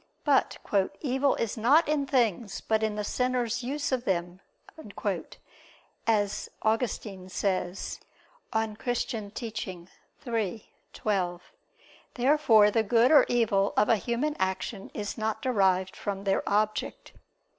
But "evil is not in things, but in the sinner's use of them," as Augustine says (De Doctr. Christ. iii, 12). Therefore the good or evil of a human action is not derived from their object.